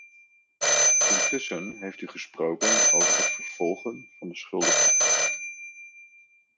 Intussen heeft u gesproken over het vervolgen van de schuldigen.